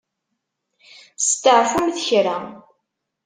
Steɛfumt kra.